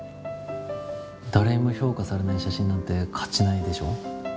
誰にも評価されない写真なんて価値ないでしょ？